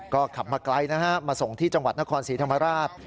ก็ขับมาไกลนะฮะมาส่งที่จังหวัดนครศรีธรรมราช